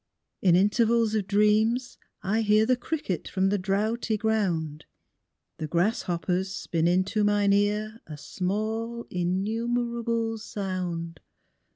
In intervals of dreams I hear The cricket from the droughty ground; The grasshoppers spin into mine ear A small innumerable sound.